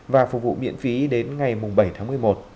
và phục vụ miễn phí đến ngày bảy tháng một mươi một